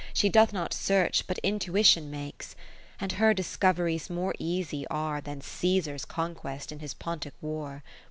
She doth not search, but intuition makes : And her discoveries more easy are Than Caesar's Conquest in his Pontic War.